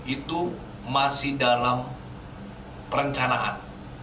itu masih dalam perencanaan